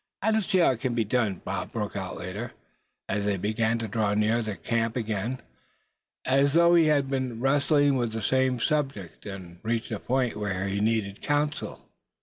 "I don't see how it can be done," Bob broke out later, as they began to draw near the camp again; as though he had been wrestling with some subject, and reached a point where he needed counsel.